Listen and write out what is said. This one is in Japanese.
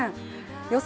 予想